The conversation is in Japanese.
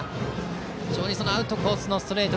非常にアウトコースのストレート